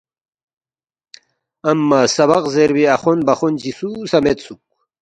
امّہ سبق زیربی اخوند بخوند چی سُو سہ میدسُوک